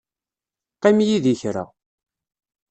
Qqim yid-i kra.